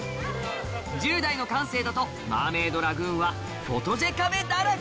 １０代の感性だとマーメイドラグーンはフォトジェ壁だらけ！